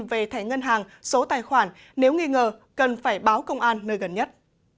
về thẻ ngân hàng số tài khoản nếu nghi ngờ cần phải báo công an nơi gần nhất